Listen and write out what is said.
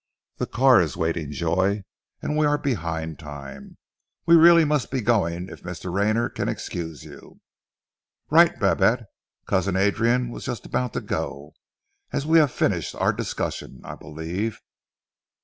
"The car is waiting, Joy, and we are behind time. We really must be going if Mr. Rayner can excuse you." "Right, Babette. Cousin Adrian was just about to go, as we have finished our discussion, I believe."